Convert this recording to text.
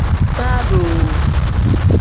Baa doo.